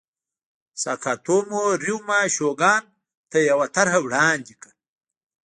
ساکاتومو ریوما شوګان ته یوه طرحه وړاندې کړه.